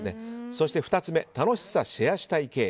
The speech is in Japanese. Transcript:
そして２つ目楽しさシェアしたい系。